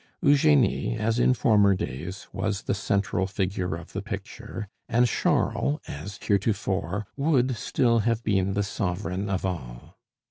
Eugenie, as in former days, was the central figure of the picture; and Charles, as heretofore, would still have been the sovereign of all.